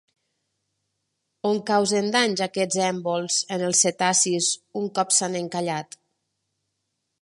On causen danys aquests èmbols en els cetacis un cop s'han encallat?